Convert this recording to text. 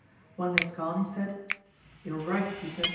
When they'd gone he said: "'You were right, Peter.